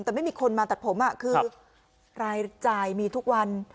แต่ไม่มีคนมาตัดผมคือรายจ่ายมีทุกวัน